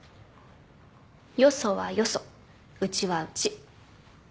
よそはよそうちはうち。